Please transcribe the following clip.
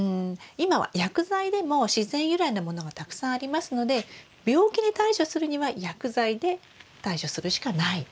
今は薬剤でも自然由来のものがたくさんありますので病気に対処するには薬剤で対処するしかないんですね。